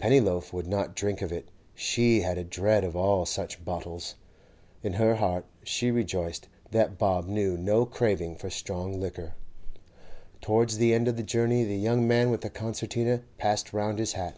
Pennyloaf would not drink of it; she had a dread of all such bottles. In her heart she rejoiced that Bob knew no craving for strong liquor. Towards the end of the journey the young man with the concertina passed round his hat.